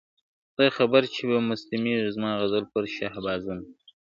خدای خبر چي به مستیږي زما غزل پر شهبازونو .